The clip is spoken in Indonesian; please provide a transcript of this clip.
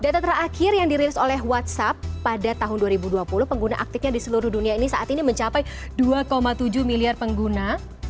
data terakhir yang dirilis oleh whatsapp pada tahun dua ribu dua puluh pengguna aktifnya di seluruh dunia ini saat ini mencapai dua tujuh miliar pengguna